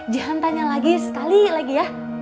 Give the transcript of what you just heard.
jangan tanya lagi sekali lagi ya